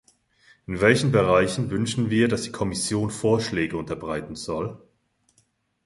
In welchen Bereichen wünschen wir, dass die Kommission Vorschläge unterbreiten soll?